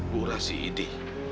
bu rahsi ini